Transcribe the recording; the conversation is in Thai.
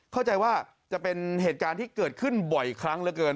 เข้าใจว่าจะเป็นเหตุการณ์ที่เกิดขึ้นบ่อยครั้งเหลือเกิน